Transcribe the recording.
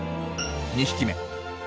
２匹目。